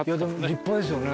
立派ですよね